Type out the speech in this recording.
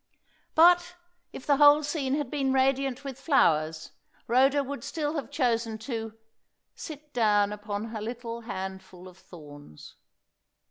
But if the whole scene had been radiant with flowers, Rhoda would still have chosen to "sit down upon her little handful of thorns."